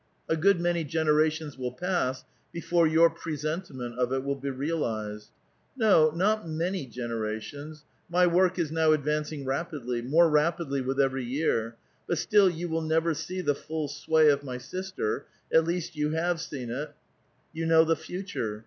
A good many generations will pass before your presentiment of it will be realized. No, not maiiy generations : my work is now ad vancing rapidly, more rapid!^' with every year ; but still you will never see the full swa}' of my sister, at least yon have Been it ; you know the future.